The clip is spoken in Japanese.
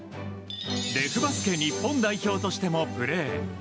デフバスケ日本代表としてもプレー。